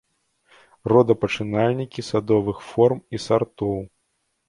Родапачынальнікі садовых форм і сартоў.